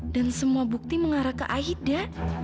dan semua bukti mengarah ke aida